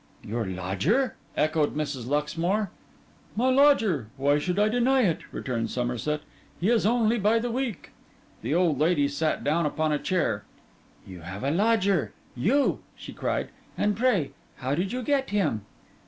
'Your lodger?' echoed Mrs. Luxmore. 'My lodger: why should I deny it?' returned Somerset. 'He is only by the week.' The old lady sat down upon a chair. 'You have a lodger?—you?' she cried. 'And pray, how did you get him?